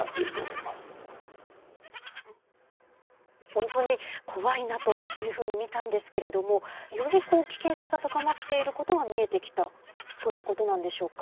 本当に怖いなというふうに見たんですけれどもより危険性が高まっている事が見えてきたという事なんでしょうか？